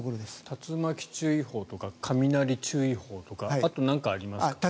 竜巻注意報とか雷注意報とかあとは何かありますか？